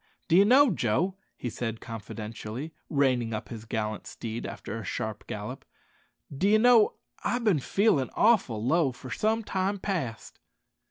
"D'ye know, Joe," he said confidentially, reining up his gallant steed after a sharp gallop "d'ye know I've bin feelin' awful low for some time past."